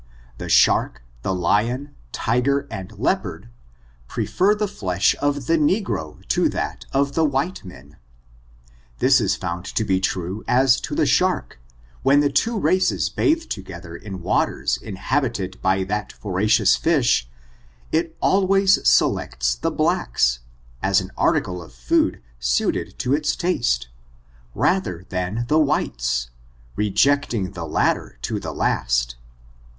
The sharks the lion^ tigeVy and leopard^ prefer the flesh of the negro to that of white men. This is found to be true as to the shark, when the two races bathe to gether in waters inhabited by that voracious fish ; it always selects the blacks, as an article of food suited to its taste, rather than the whites, rejecting the lat ter to the last.